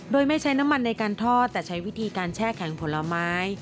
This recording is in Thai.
โดยไม่ใช้น้ำมันในการทอดแต่ใช้วิธีการแช่แข็งผลไม้